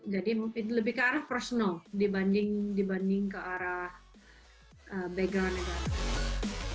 jadi lebih ke arah personal dibanding ke arah background negara